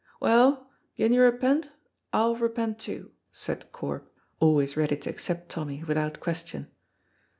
"Well, gin you repent I'll repent too," said Corp, always ready to accept Tommy without question.